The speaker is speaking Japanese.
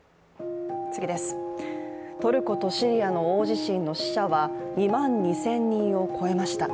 トルコとシリアの大地震の死者は２万２０００人を超えました。